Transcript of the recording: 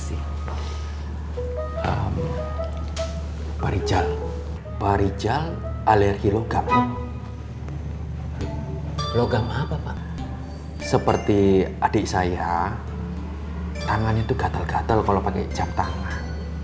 ibu aku mau beli jam tangan